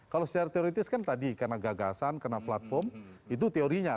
kalau secara teoritis kan tadi karena gagasan karena platform itu teorinya